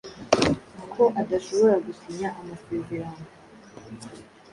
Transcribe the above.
ko adashobora gusinya amasezerano